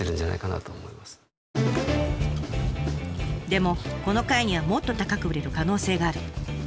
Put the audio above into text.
でもこの貝にはもっと高く売れる可能性がある。